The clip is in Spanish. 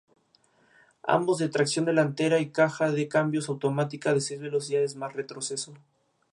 Ambos de tracción delantera y caja de cambios automática de seis velocidades más retroceso.